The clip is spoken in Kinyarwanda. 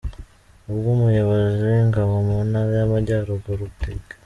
Ubwo Umuyobozi w’Ingabo mu Ntara y’Amajyaruguru, Brig.